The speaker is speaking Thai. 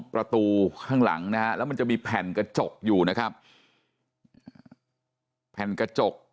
ประตูข้างหลังนะฮะแล้วมันจะมีแผ่นกระจกอยู่นะครับแผ่นกระจก